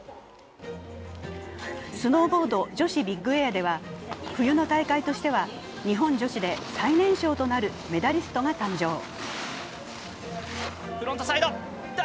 スノーボード女子ビッグエアでは冬の大会としては日本女子で最年少となるメダリストが誕生。